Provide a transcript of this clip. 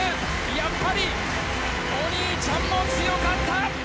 やっぱりお兄ちゃんも強かった！